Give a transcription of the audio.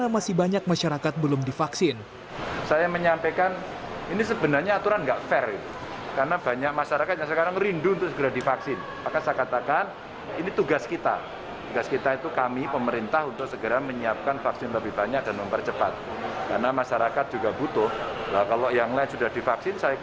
masih banyak masyarakat belum divaksin